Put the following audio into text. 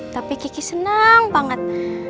tapi kiki senang banget